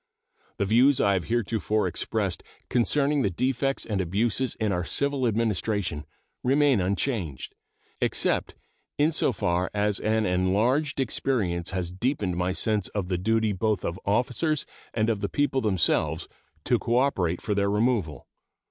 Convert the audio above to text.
The views I have heretofore expressed concerning the defects and abuses in our civil administration remain unchanged, except in so far as an enlarged experience has deepened my sense of the duty both of officers and of the people themselves to cooperate for their removal.